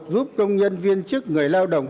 giúp công nhân viên chức người lao động